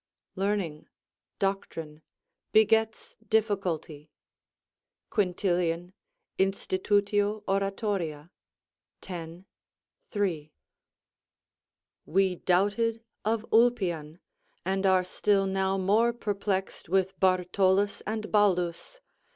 ["Learning (Doctrine) begets difficulty." Quintilian, Insat. Orat., x. 3.] We doubted of Ulpian, and are still now more perplexed with Bartolus and Baldus.